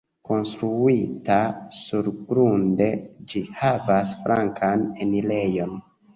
Konstruita surgrunde, ĝi havas flankan enirejon.